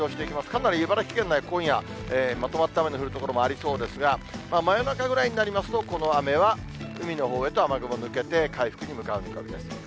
かなり茨城県内、今夜、まとまった雨の降る所ありそうですが、真夜中ぐらいになりますと、この雨は海のほうへと雨雲抜けて回復に向かう見込みです。